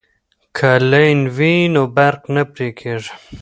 که لین وي نو برق نه پرې کیږي.